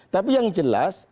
tapi yang jelas